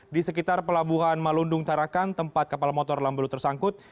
di sekitar pelabuhan malundung tarakan tempat kapal motor lambelu tersangkut